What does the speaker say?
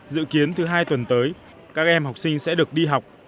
dự kiến thứ hai tuần tới các em học sinh sẽ được đi học